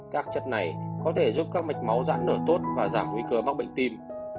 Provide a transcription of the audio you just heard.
các chất này có thể giúp các mạch máu giãn nở tốt và giảm nguy cơ mắc bệnh tim